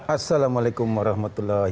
assalamualaikum warahmatullahi wabarakatuh